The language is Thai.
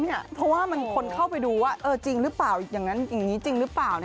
เพราะว่ามันคนเข้าไปดูว่าจริงหรือเปล่าอย่างนั้นอย่างนี้จริงหรือเปล่า